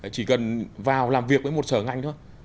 chỉ cần vào làm việc với một sở ngành thôi